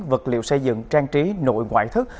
vật liệu xây dựng trang trí nội ngoại thức